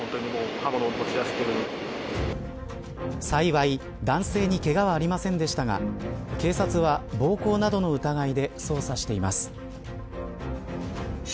幸い、男性にけがはありませんでしたが警察は暴行などの疑いで捜査しています。